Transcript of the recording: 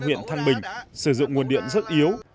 huyện thăng bình sử dụng nguồn điện rất yếu